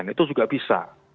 itu juga bisa